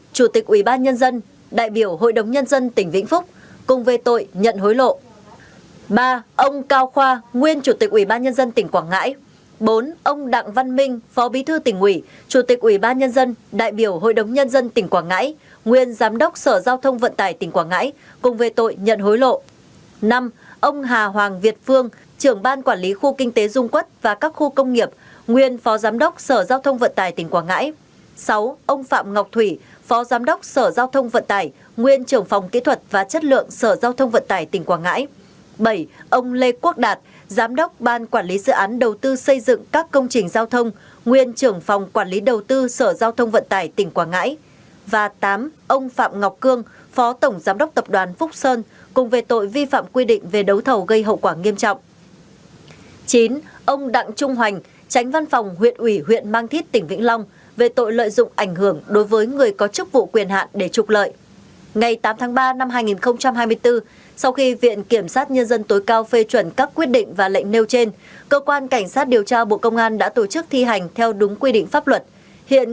cơ quan cảnh sát điều tra bộ công an quyết định khởi tố bổ sung vụ án về các tội nhận hối lộ vi phạm quy định về đấu thầu gây hậu quả nghiêm trọng lợi dụng ảnh hưởng đối với người có chức vụ quyền hạn để trục lợi xảy ra tại tỉnh vĩnh phúc tỉnh quảng ngãi tỉnh quảng ngãi và các đơn vị có liên quan